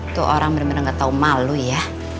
itu orang bener bener gak tahu malu ya